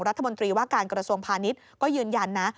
รัฐมนตรีว่าการกระทรวงพาณิชย์ก็ยืนยันนะ